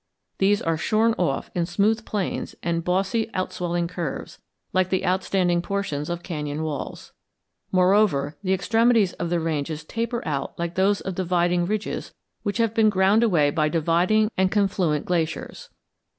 These are shorn off in smooth planes and bossy outswelling curves, like the outstanding portions of cañon walls. Moreover, the extremities of the ranges taper out like those of dividing ridges which have been ground away by dividing and confluent glaciers.